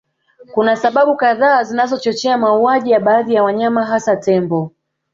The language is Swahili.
Kuna sababu kadhaa zinazochochea mauaji ya baadhi ya wanyama hasa Tembo